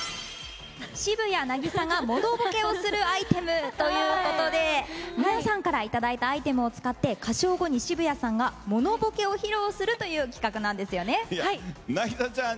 渋谷凪咲が物ぼけをするアイテムということで皆さんからいただいたアイテムを使って歌唱後に渋谷さんが物ぼけを披露するという凪咲ちゃん